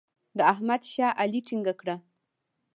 د احمد شا علي ټینګه کړه.